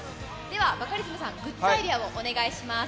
では、バカリズムさん、グッズアイデアをお願いします。